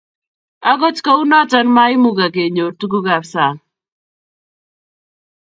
agot ko u noton maimungak kenyor tuguk ab sang